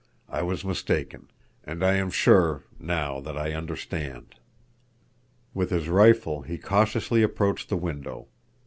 "I was mistaken. And I am sure—now—that I understand." With his rifle he cautiously approached the window.